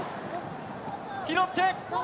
拾って。